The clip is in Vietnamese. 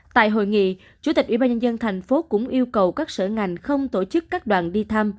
tại hội nghị chủ tịch ủy ban nhân dân thành phố cũng yêu cầu các sở ngành không tổ chức các đoàn đi thăm